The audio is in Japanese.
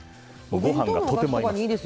ご飯にとても合います。